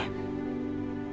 ini demi kebaikan lo put